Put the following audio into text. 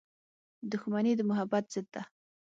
• دښمني د محبت ضد ده.